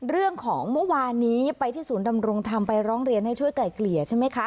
เมื่อวานนี้ไปที่ศูนย์ดำรงธรรมไปร้องเรียนให้ช่วยไกล่เกลี่ยใช่ไหมคะ